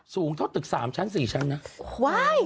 สูงเท่าตึก๓ชั้น๔ชั้นนะ